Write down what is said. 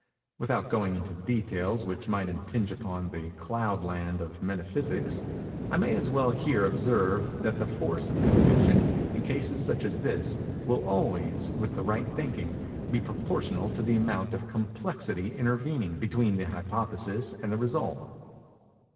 Without going into details which might impinge upon the Cloud Land of Metaphysics, I may as well here observe that the force of conviction, in cases such as this, will always, with the right thinking, be proportional to the amount of complexity intervening between the hypothesis and the result.